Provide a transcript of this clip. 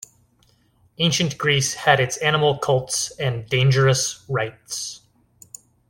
Ancient Greece had its animal cults and dangerous rites.